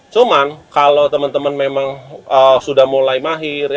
cuman kalau teman teman memang sudah mulai mahir